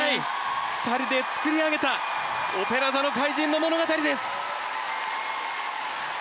２人で作り上げた「オペラ座の怪人」の物語です。